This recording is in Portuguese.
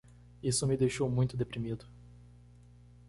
Isso me deixou muito deprimido.